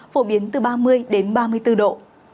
phổ biến từ ba mươi ba mươi bốn độ